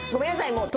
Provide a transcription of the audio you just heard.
もう。